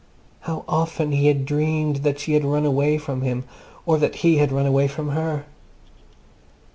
How often he had dreamed that she had run away from him or that he had run away from her!